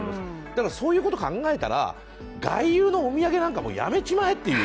そういうことを考えたら、外遊のお土産なんかもうやめちまえっていう。